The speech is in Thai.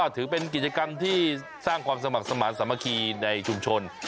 ถือเป็นกิจกรรมที่สร้างความสมัครสมาธิสามัคคีในชุมชน